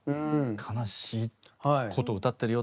悲しいことを歌ってるよって。